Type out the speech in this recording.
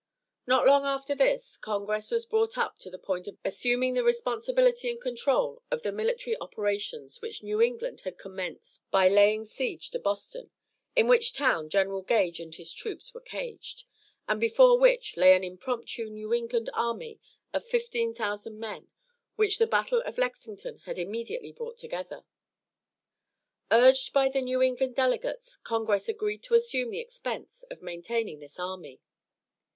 Not long after this congress was brought up to the point of assuming the responsibility and control of the military operations which New England had commenced by laying siege to Boston, in which town General Gage and his troops were caged, and before which lay an impromptu New England army of 15,000 men which the battle of Lexington had immediately brought together. Urged by the New England delegates, congress agreed to assume the expense of maintaining this army.